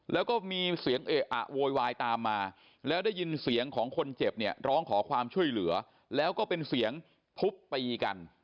แล้วก็มีเสียงเอะอะโวยวายตามมาแล้วได้ยินเสียงของคนเจ็บเนี่ยร้องขอความช่วยเหลือแล้วก็เป็นเสียงทุบตีกัน